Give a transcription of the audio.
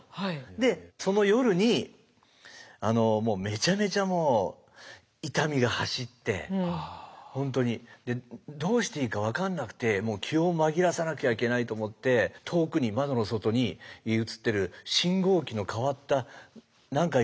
でその夜にめちゃめちゃ痛みが走って本当にどうしていいか分かんなくて気を紛らわさなきゃいけないと思って遠くに窓の外に映ってる信号機の変わった何回